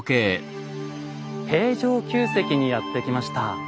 平城宮跡にやって来ました。